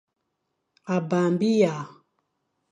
A bang biya.